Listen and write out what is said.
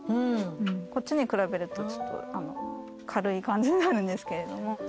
こっちに比べるとちょっと軽い感じになるんですけれども。